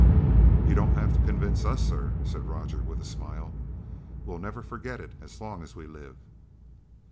"You don't have to convince us, sir," said Roger with a smile. "We'll never forget it as long as we live."